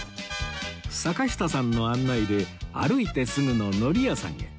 坂下さんの案内で歩いてすぐの海苔屋さんへ